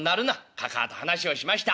「かかあと話をしました。